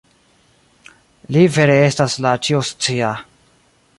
Li vere estas la Ĉio-Scia.